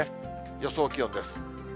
予想気温です。